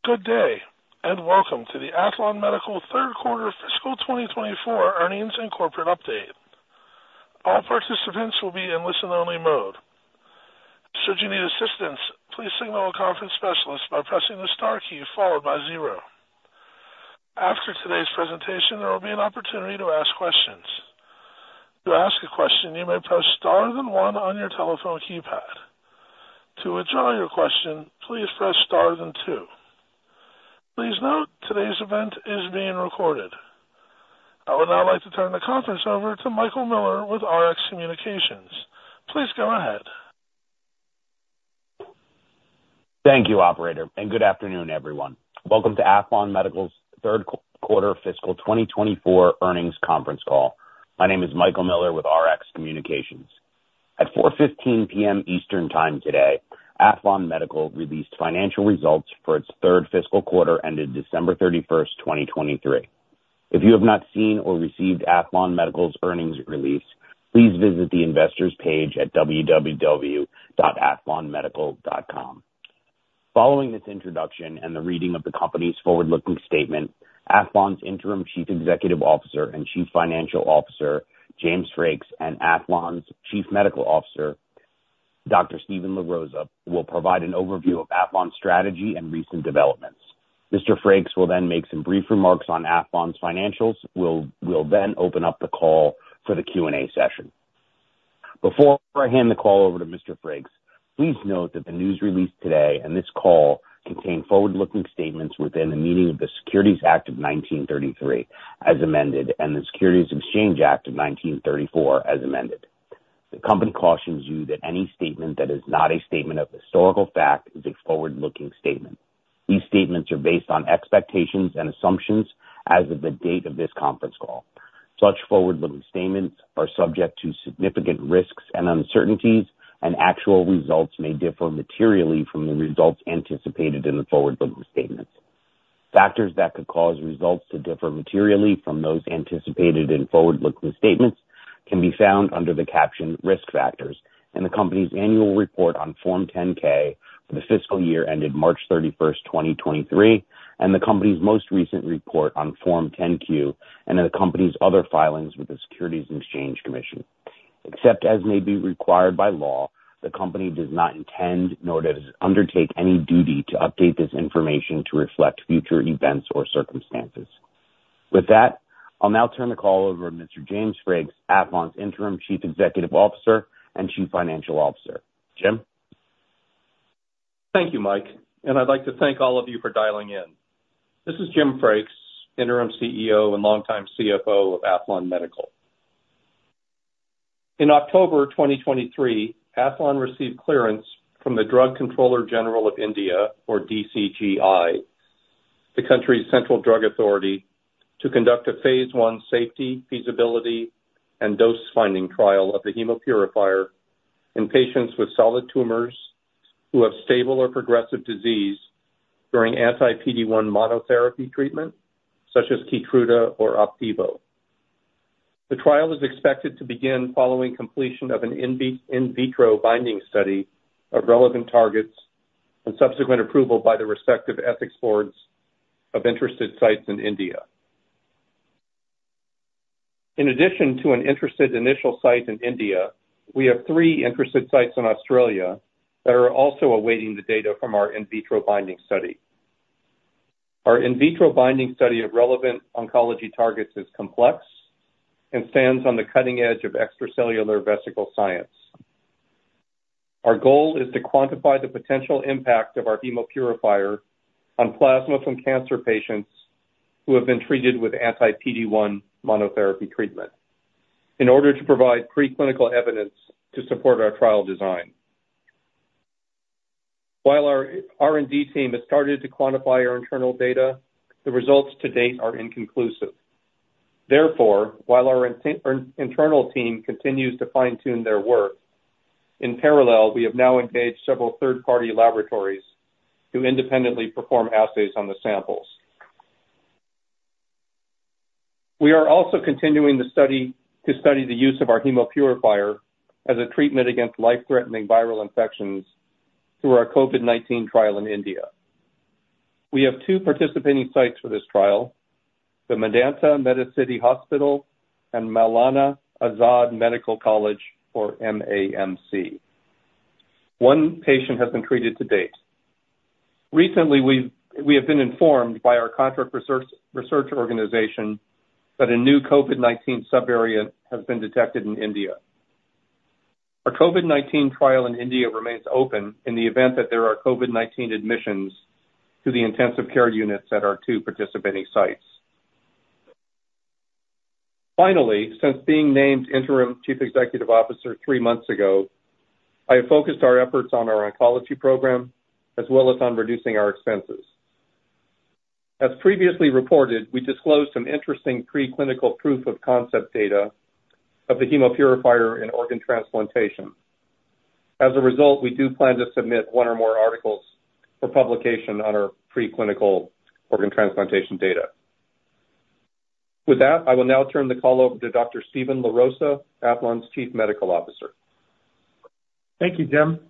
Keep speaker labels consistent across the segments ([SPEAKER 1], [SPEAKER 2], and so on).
[SPEAKER 1] Good day and welcome to the Aethlon Medical Q3 fiscal 2024 Earnings and corporate update. All participants will be in listen-only mode. Should you need assistance, please signal a conference specialist by pressing the star key followed by zero. After today's presentation, there will be an opportunity to ask questions. To ask a question, you may press star then 1 on your telephone keypad. To withdraw your question, please press star then two. Please note, today's event is being recorded. I would now like to turn the conference over to Michael Miller with Rx Communications. Please go ahead.
[SPEAKER 2] Thank you, operator, and good afternoon, everyone. Welcome to Aethlon Medical's Q3 fiscal 2024 Earnings Conference Call. My name is Michael Miller with Rx Communications. At 4:15 P.M. Eastern Time today, Aethlon Medical released financial results for its third fiscal quarter ended December 31, 2023. If you have not seen or received Aethlon Medical's earnings release, please visit the investors page at www.aethlonmedical.com. Following this introduction and the reading of the company's forward-looking statement, Aethlon's Interim Chief Executive Officer and Chief Financial Officer, James Frakes, and Aethlon's Chief Medical Officer, Dr. Steven LaRosa, will provide an overview of Aethlon's strategy and recent developments. Mr. Frakes will then make some brief remarks on Aethlon's financials. We'll then open up the call for the Q&A session. Before I hand the call over to Mr. Frakes, please note that the news released today and this call contain forward-looking statements within the meaning of the Securities Act of 1933 as amended and the Securities Exchange Act of 1934 as amended. The company cautions you that any statement that is not a statement of historical fact is a forward-looking statement. These statements are based on expectations and assumptions as of the date of this conference call. Such forward-looking statements are subject to significant risks and uncertainties, and actual results may differ materially from the results anticipated in the forward-looking statements. Factors that could cause results to differ materially from those anticipated in forward-looking statements can be found under the caption "Risk Factors" in the company's annual report on Form 10-K for the fiscal year ended March 31, 2023, and the company's most recent report on Form 10-Q and in the company's other filings with the Securities and Exchange Commission. Except as may be required by law, the company does not intend nor does it undertake any duty to update this information to reflect future events or circumstances. With that, I'll now turn the call over to Mr. James Frakes, Aethlon's Interim Chief Executive Officer and Chief Financial Officer. Jim?
[SPEAKER 3] Thank you, Mike. I'd like to thank all of you for dialing in. This is Jim Frakes, interim CEO and longtime CFO of Aethlon Medical. In October 2023, Aethlon received clearance from the Drug Controller General of India, or DCGI, the country's central drug authority, to conduct a phase I safety, feasibility, and dose-finding trial of the Hemopurifier in patients with solid tumors who have stable or progressive disease during anti-PD-1 monotherapy treatment such as Keytruda or Opdivo. The trial is expected to begin following completion of an in vitro binding study of relevant targets and subsequent approval by the respective ethics boards of interested sites in India. In addition to an interested initial site in India, we have three interested sites in Australia that are also awaiting the data from our in vitro binding study. Our in vitro binding study of relevant oncology targets is complex and stands on the cutting edge of extracellular vesicle science. Our goal is to quantify the potential impact of our Hemopurifier on plasma from cancer patients who have been treated with anti-PD-1 monotherapy treatment in order to provide preclinical evidence to support our trial design. While our R&D team has started to quantify our internal data, the results to date are inconclusive. Therefore, while our internal team continues to fine-tune their work, in parallel, we have now engaged several third-party laboratories to independently perform assays on the samples. We are also continuing to study the use of our Hemopurifier as a treatment against life-threatening viral infections through our COVID-19 trial in India. We have two participating sites for this trial: the Medanta - The Medicity and Maulana Azad Medical College, or MAMC. One patient has been treated to date. Recently, we have been informed by our contract research organization that a new COVID-19 subvariant has been detected in India. Our COVID-19 trial in India remains open in the event that there are COVID-19 admissions to the intensive care units at our two participating sites. Finally, since being named Interim Chief Executive Officer three months ago, I have focused our efforts on our oncology program as well as on reducing our expenses. As previously reported, we disclosed some interesting preclinical proof-of-concept data of the Hemopurifier in organ transplantation. As a result, we do plan to submit one or more articles for publication on our preclinical organ transplantation data. With that, I will now turn the call over to Dr. Steven LaRosa, Aethlon's Chief Medical Officer.
[SPEAKER 4] Thank you, Jim.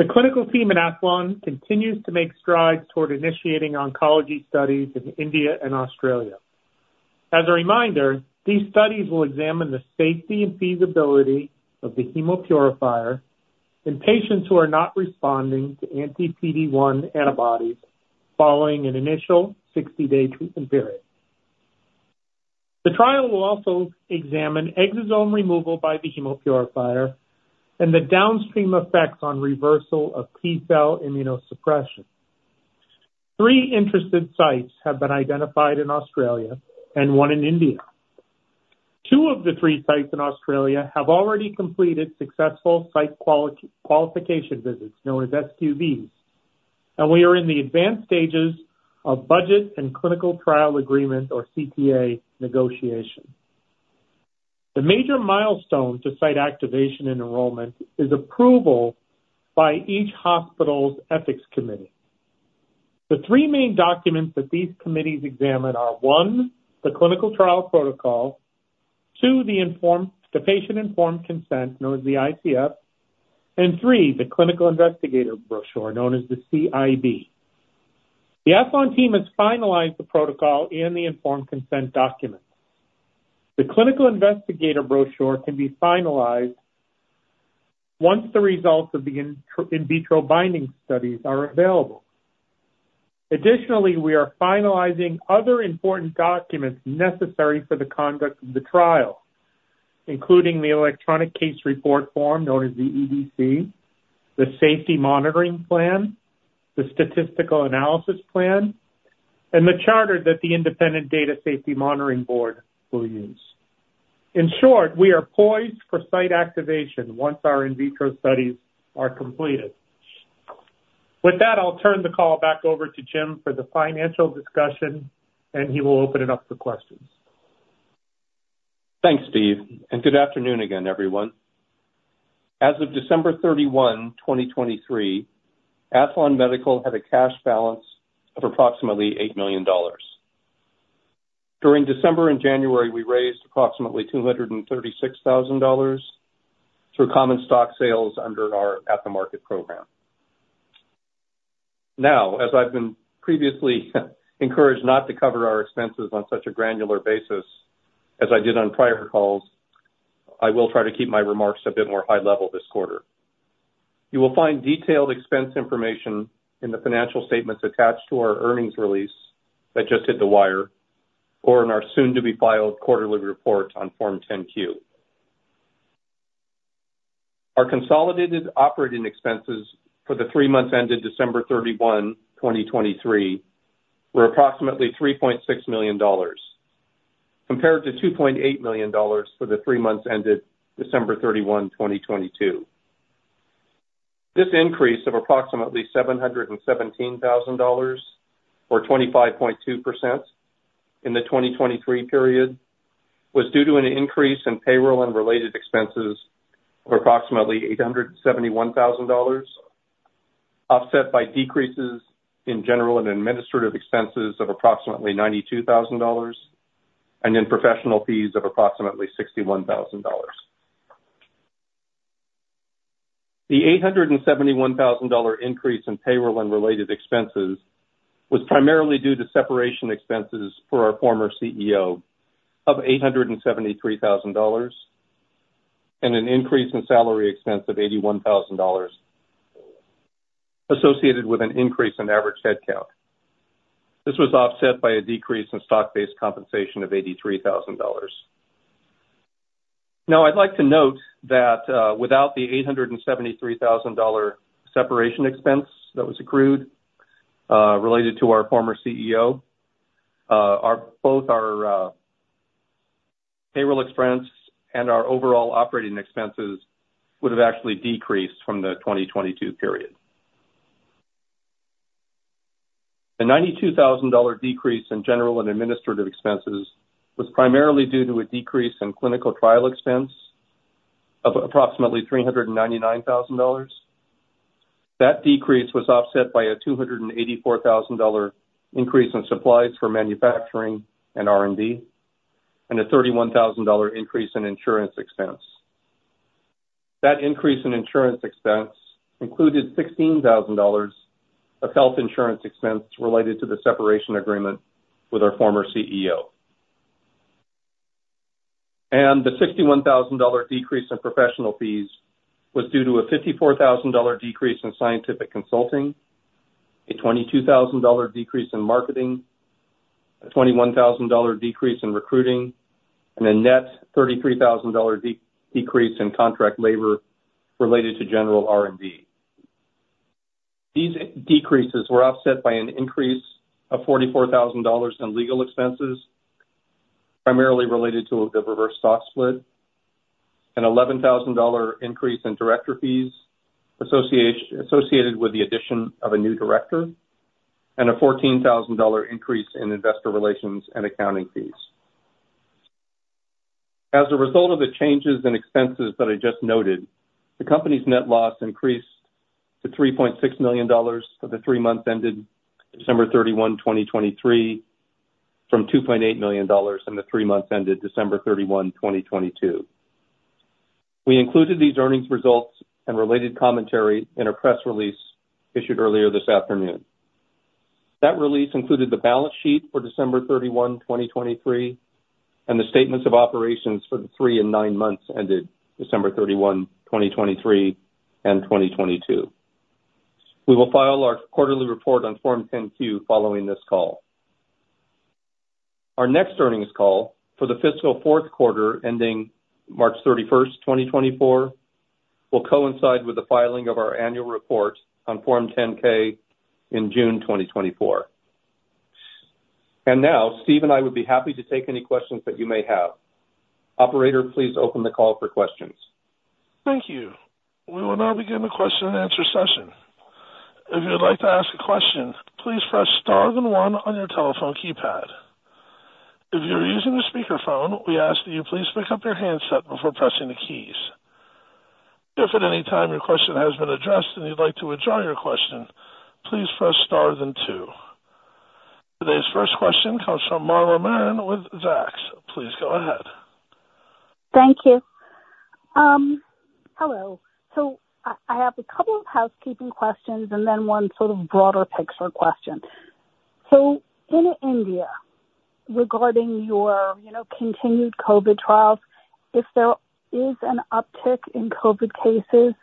[SPEAKER 4] The clinical team at Aethlon continues to make strides toward initiating oncology studies in India and Australia. As a reminder, these studies will examine the safety and feasibility of the Hemopurifier in patients who are not responding to anti-PD-1 antibodies following an initial 60-day treatment period. The trial will also examine exosome removal by the Hemopurifier and the downstream effects on reversal of T-cell immunosuppression. Three interested sites have been identified in Australia and one in India. Two of the three sites in Australia have already completed successful site qualification visits, known as SQVs, and we are in the advanced stages of budget and clinical trial agreement, or CTA, negotiation. The major milestone to site activation and enrollment is approval by each hospital's ethics committee. The three main documents that these committees examine are, one, the clinical trial protocol, two, the patient informed consent, known as the ICF, and three, the clinical investigator brochure, known as the CIB. The Aethlon team has finalized the protocol and the informed consent documents. The clinical investigator brochure can be finalized once the results of the in vitro binding studies are available. Additionally, we are finalizing other important documents necessary for the conduct of the trial, including the electronic case report form, known as the EDC, the safety monitoring plan, the statistical analysis plan, and the charter that the Independent Data Safety Monitoring Board will use. In short, we are poised for site activation once our in vitro studies are completed. With that, I'll turn the call back over to Jim for the financial discussion, and he will open it up for questions.
[SPEAKER 3] Thanks, Steve, and good afternoon again, everyone. As of December 31, 2023, Aethlon Medical had a cash balance of approximately $8 million. During December and January, we raised approximately $236,000 through common stock sales under our at-the-market program. Now, as I've been previously encouraged not to cover our expenses on such a granular basis as I did on prior calls, I will try to keep my remarks a bit more high-level this quarter. You will find detailed expense information in the financial statements attached to our earnings release that just hit the wire or in our soon-to-be filed quarterly report on Form 10-Q. Our consolidated operating expenses for the three months ended December 31, 2023, were approximately $3.6 million compared to $2.8 million for the three months ended December 31, 2022. This increase of approximately $717,000, or 25.2%, in the 2023 period was due to an increase in payroll and related expenses of approximately $871,000, offset by decreases in general and administrative expenses of approximately $92,000, and in professional fees of approximately $61,000. The $871,000 increase in payroll and related expenses was primarily due to separation expenses for our former CEO of $873,000 and an increase in salary expense of $81,000 associated with an increase in average headcount. This was offset by a decrease in stock-based compensation of $83,000. Now, I'd like to note that without the $873,000 separation expense that was accrued related to our former CEO, both our payroll expenses and our overall operating expenses would have actually decreased from the 2022 period. The $92,000 decrease in general and administrative expenses was primarily due to a decrease in clinical trial expense of approximately $399,000. That decrease was offset by a $284,000 increase in supplies for manufacturing and R&D and a $31,000 increase in insurance expense. That increase in insurance expense included $16,000 of health insurance expense related to the separation agreement with our former CEO. The $61,000 decrease in professional fees was due to a $54,000 decrease in scientific consulting, a $22,000 decrease in marketing, a $21,000 decrease in recruiting, and a net $33,000 decrease in contract labor related to general R&D. These decreases were offset by an increase of $44,000 in legal expenses primarily related to the reverse stock split, an $11,000 increase in director fees associated with the addition of a new director, and a $14,000 increase in investor relations and accounting fees. As a result of the changes in expenses that I just noted, the company's net loss increased to $3.6 million for the three months ended December 31, 2023, from $2.8 million in the three months ended December 31, 2022. We included these earnings results and related commentary in a press release issued earlier this afternoon. That release included the balance sheet for December 31, 2023, and the statements of operations for the three and nine months ended December 31, 2023, and 2022. We will file our quarterly report on Form 10-Q following this call. Our next earnings call for the fiscal fourth quarter ending March 31, 2024, will coincide with the filing of our annual report on Form 10-K in June 2024. And now, Steve and I would be happy to take any questions that you may have. Operator, please open the call for questions.
[SPEAKER 1] Thank you. We will now begin the question-and-answer session. If you would like to ask a question, please press star and one on your telephone keypad. If you are using a speakerphone, we ask that you please pick up your handset before pressing the keys. If at any time your question has been addressed and you'd like to withdraw your question, please press star and two. Today's first question comes from Marla Marin with Zacks. Please go ahead.
[SPEAKER 5] Thank you. Hello. So I have a couple of housekeeping questions and then one sort of broader picture question. So in India, regarding your continued COVID trials, if there is an uptick in COVID cases,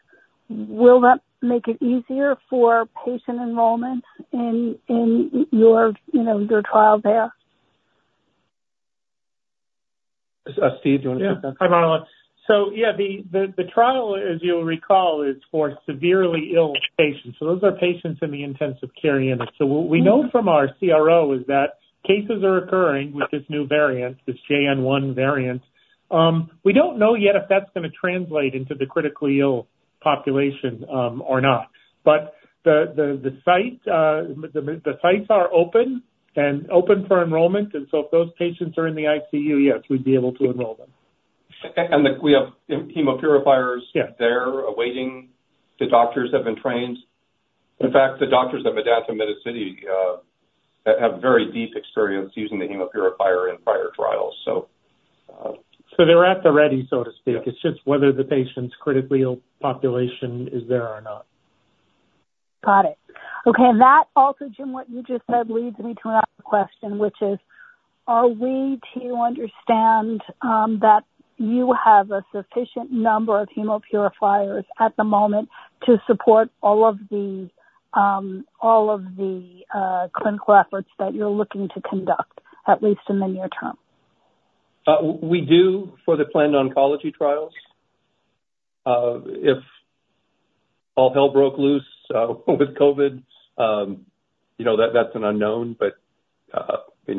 [SPEAKER 5] will that make it easier for patient enrollment in your trial there?
[SPEAKER 3] Steve, do you want to take that?
[SPEAKER 4] Hi, Marla. So yeah, the trial, as you will recall, is for severely ill patients. So those are patients in the intensive care units. So what we know from our CRO is that cases are occurring with this new variant, this JN.1 variant. We don't know yet if that's going to translate into the critically ill population or not. But the sites are open and open for enrollment. And so if those patients are in the ICU, yes, we'd be able to enroll them.
[SPEAKER 3] We have Hemopurifiers there awaiting. The doctors have been trained. In fact, the doctors at Medanta - The Medicity have very deep experience using the Hemopurifier in prior trials, so.
[SPEAKER 4] They're at the ready, so to speak. It's just whether the patient's critically ill population is there or not.
[SPEAKER 5] Got it. Okay. That also, Jim, what you just said leads me to another question, which is, are we to understand that you have a sufficient number of Hemopurifiers at the moment to support all of the clinical efforts that you're looking to conduct, at least in the near term?
[SPEAKER 4] We do for the planned oncology trials. If all hell broke loose with COVID, that's an unknown. But we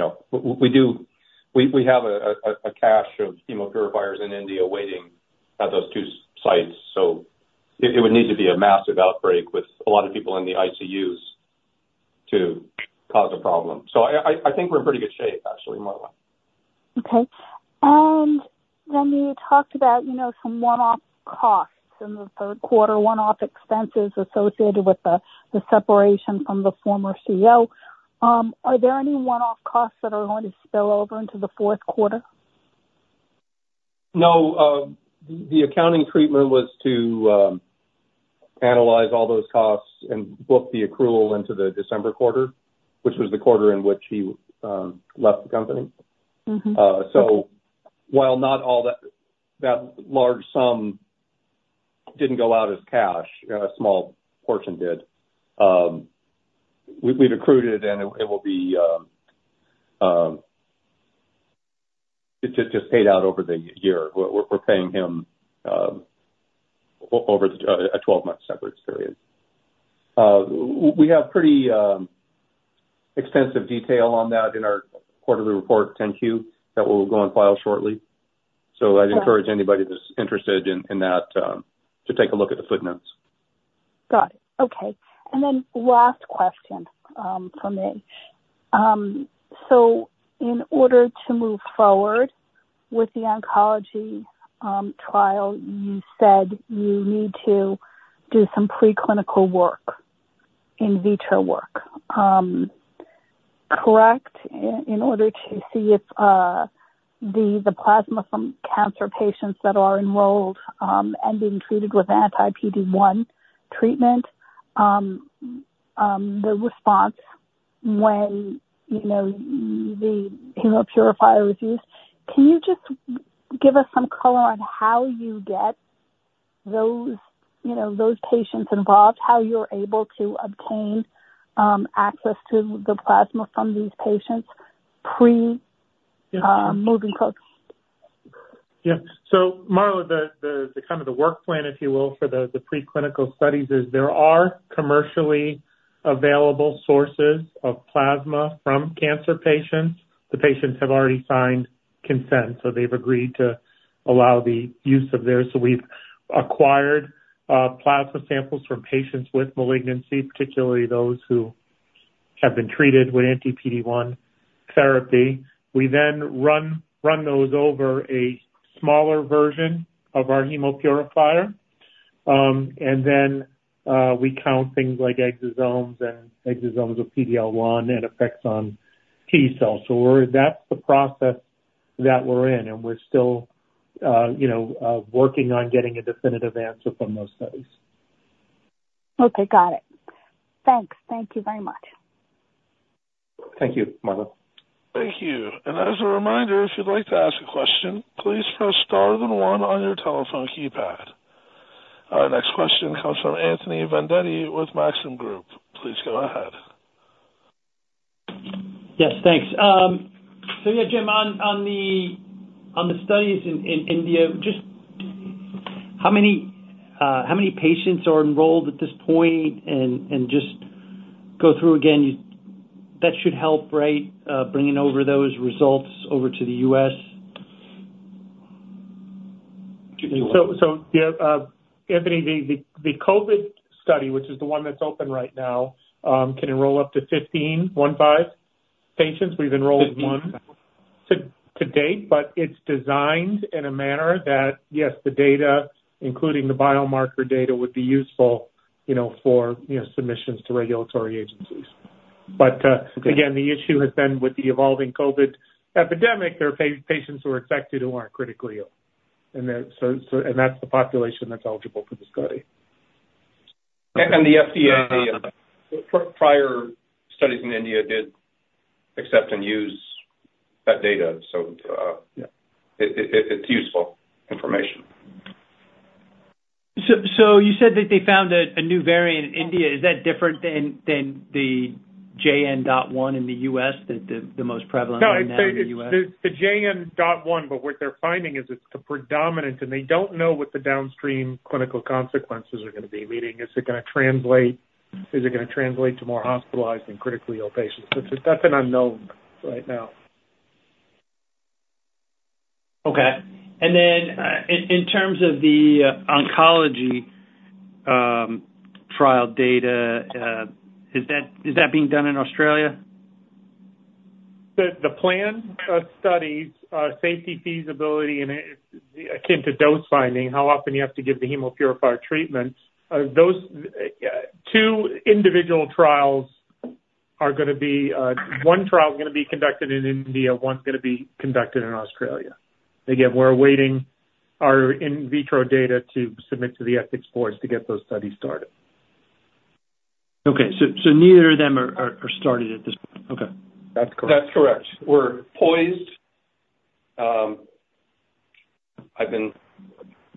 [SPEAKER 4] have a cache of Hemopurifiers in India waiting at those two sites. So it would need to be a massive outbreak with a lot of people in the ICUs to cause a problem. So I think we're in pretty good shape, actually, Marla.
[SPEAKER 5] Okay. And then you talked about some one-off costs, some of the third-quarter one-off expenses associated with the separation from the former CEO. Are there any one-off costs that are going to spill over into the fourth quarter?
[SPEAKER 4] No. The accounting treatment was to analyze all those costs and book the accrual into the December quarter, which was the quarter in which he left the company. So while not all that large sum didn't go out as cash, a small portion did. We've accrued it, and it will be just paid out over the year. We're paying him over a 12-month severance period. We have pretty extensive detail on that in our quarterly report, 10-Q, that will go on file shortly. So I'd encourage anybody that's interested in that to take a look at the footnotes.
[SPEAKER 5] Got it. Okay. Then last question for me. In order to move forward with the oncology trial, you said you need to do some preclinical work, in vitro work, correct, in order to see if the plasma from cancer patients that are enrolled and being treated with anti-PD-1 treatment, the response when the Hemopurifier was used, can you just give us some color on how you get those patients involved, how you're able to obtain access to the plasma from these patients pre moving forward?
[SPEAKER 4] Yeah. So Marla, kind of the work plan, if you will, for the preclinical studies is there are commercially available sources of plasma from cancer patients. The patients have already signed consent, so they've agreed to allow the use of theirs. So we've acquired plasma samples from patients with malignancy, particularly those who have been treated with Anti-PD-1 therapy. We then run those over a smaller version of our Hemopurifier, and then we count things like exosomes and exosomes of PD-L1 and effects on T cells. So that's the process that we're in, and we're still working on getting a definitive answer from those studies.
[SPEAKER 5] Okay. Got it. Thanks. Thank you very much.
[SPEAKER 3] Thank you, Marla.
[SPEAKER 1] Thank you. And as a reminder, if you'd like to ask a question, please press star and one on your telephone keypad. Our next question comes from Anthony Vendetti with Maxim Group. Please go ahead.
[SPEAKER 6] Yes. Thanks. So yeah, Jim, on the studies in India, just how many patients are enrolled at this point? And just go through again. That should help, right, bringing over those results over to the U.S.?
[SPEAKER 4] So yeah, Anthony, the COVID study, which is the one that's open right now, can enroll up to 15 patients. We've enrolled one to date, but it's designed in a manner that, yes, the data, including the biomarker data, would be useful for submissions to regulatory agencies. But again, the issue has been with the evolving COVID epidemic. There are patients who are infected who aren't critically ill. And that's the population that's eligible for the study.
[SPEAKER 3] The FDA, prior studies in India did accept and use that data. It's useful information.
[SPEAKER 6] You said that they found a new variant in India. Is that different than the JN.1 in the U.S., the most prevalent variant in the U.S.?
[SPEAKER 4] No, it's the JN.1, but what they're finding is it's the predominant, and they don't know what the downstream clinical consequences are going to be, meaning is it going to translate to more hospitalized and critically ill patients? That's an unknown right now.
[SPEAKER 6] Okay. In terms of the oncology trial data, is that being done in Australia?
[SPEAKER 4] The planned studies, safety feasibility, and akin to dose finding, how often you have to give the Hemopurifier treatments, two individual trials are going to be one trial is going to be conducted in India, one's going to be conducted in Australia. Again, we're awaiting our in vitro data to submit to the ethics boards to get those studies started.
[SPEAKER 6] Okay. So neither of them are started at this point? Okay.
[SPEAKER 4] That's correct.
[SPEAKER 3] That's correct. We're poised. I've been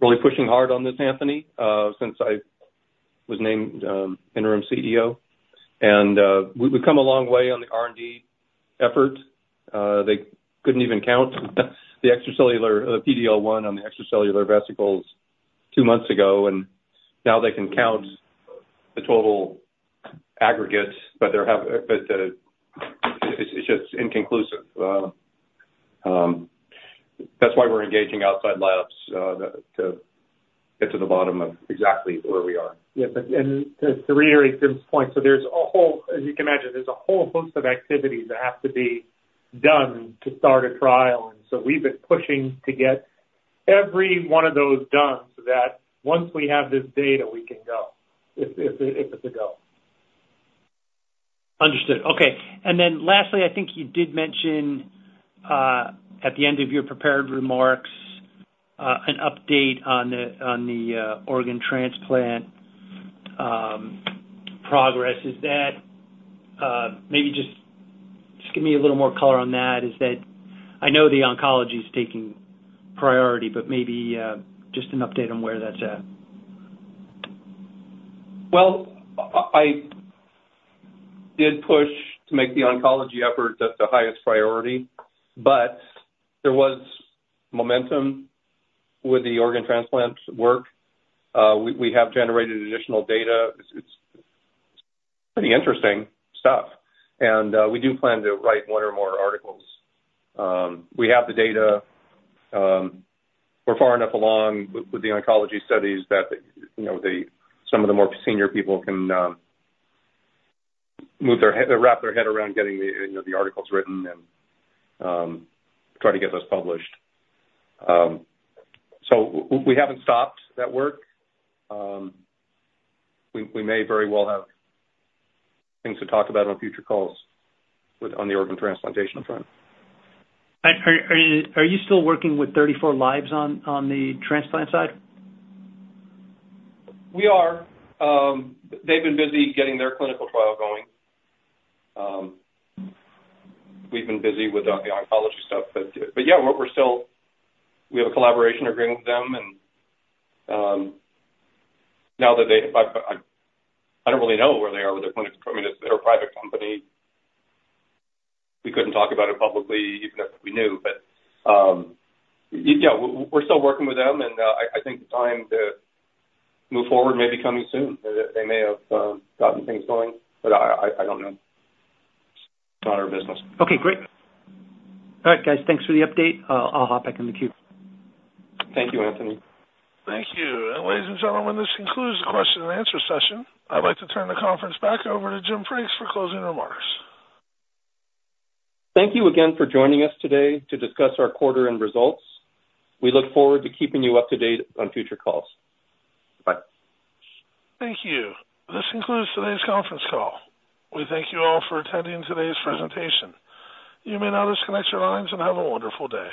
[SPEAKER 3] really pushing hard on this, Anthony, since I was named interim CEO. We've come a long way on the R&D effort. They couldn't even count the extracellular the PD-L1 on the extracellular vesicles two months ago, and now they can count the total aggregate, but it's just inconclusive. That's why we're engaging outside labs to get to the bottom of exactly where we are.
[SPEAKER 4] Yes. And to reiterate Jim's point, so, as you can imagine, there's a whole host of activities that have to be done to start a trial. And so we've been pushing to get every one of those done so that once we have this data, we can go, if it's a go.
[SPEAKER 6] Understood. Okay. And then lastly, I think you did mention at the end of your prepared remarks an update on the organ transplant progress. Maybe just give me a little more color on that. I know the oncology is taking priority, but maybe just an update on where that's at.
[SPEAKER 3] Well, I did push to make the oncology efforts at the highest priority, but there was momentum with the organ transplant work. We have generated additional data. It's pretty interesting stuff. And we do plan to write one or more articles. We have the data. We're far enough along with the oncology studies that some of the more senior people can wrap their head around getting the articles written and try to get those published. So we haven't stopped that work. We may very well have things to talk about on future calls on the organ transplantation front.
[SPEAKER 6] Are you still working with 34 Lives on the transplant side?
[SPEAKER 3] We are. They've been busy getting their clinical trial going. We've been busy with the oncology stuff. But yeah, we have a collaboration agreement with them. And now that they, I don't really know where they are with their clinical. I mean, it's their private company. We couldn't talk about it publicly, even if we knew. But yeah, we're still working with them, and I think the time to move forward may be coming soon. They may have gotten things going, but I don't know. It's not our business.
[SPEAKER 6] Okay. Great. All right, guys. Thanks for the update. I'll hop back in the queue.
[SPEAKER 3] Thank you, Anthony.
[SPEAKER 1] Thank you. Ladies and gentlemen, this concludes the question and answer session. I'd like to turn the conference back over to Jim Frakes for closing remarks.
[SPEAKER 3] Thank you again for joining us today to discuss our quarter-end results. We look forward to keeping you up to date on future calls. Bye.
[SPEAKER 1] Thank you. This concludes today's conference call. We thank you all for attending today's presentation. You may now disconnect your lines and have a wonderful day.